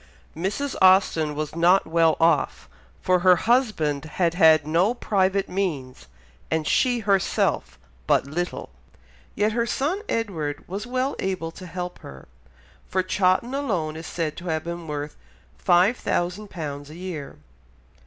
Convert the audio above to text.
Mrs. Austen was not well off, for her husband had had no private means and she herself but little, yet her son Edward was well able to help her, for Chawton alone is said to have been worth £5000 a year.